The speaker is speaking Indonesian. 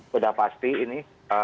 sudah pasti ini